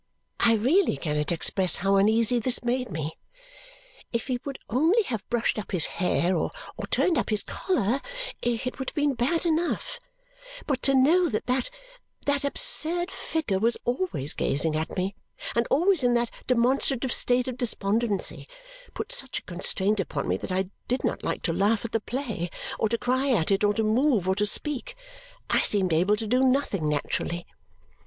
I really cannot express how uneasy this made me. If he would only have brushed up his hair or turned up his collar, it would have been bad enough; but to know that that absurd figure was always gazing at me, and always in that demonstrative state of despondency, put such a constraint upon me that I did not like to laugh at the play, or to cry at it, or to move, or to speak. I seemed able to do nothing naturally.